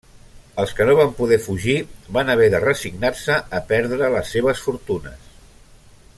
Els que no van poder fugir van haver de resignar-se a perdre les seves fortunes.